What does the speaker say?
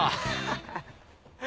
ハハハ。